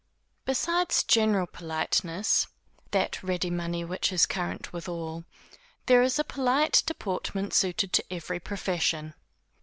_ Besides general politeness, that ready money which is current with all, there is a polite deportment suited to every profession.